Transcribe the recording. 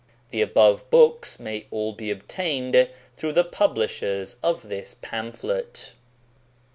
The above books may all be obtained through the Publishers of this pamphlet.